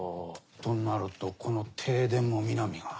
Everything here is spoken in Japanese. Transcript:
となるとこの停電も南が？